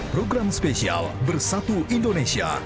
program spesial bersatu indonesia